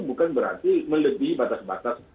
bukan berarti melebihi batas batas